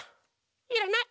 いらない！